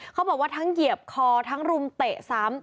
เขาบอกว่าทั้งเหยียบคอทั้งรุมเตะซ้ำ